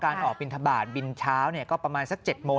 ออกบินทบาทบินเช้าก็ประมาณสัก๗โมง